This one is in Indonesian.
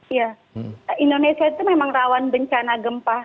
iya indonesia itu memang rawan bencana gempa